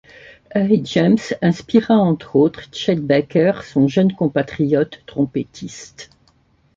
Harry James inspira entre autres Chet Baker, son jeune compatriote trompettiste.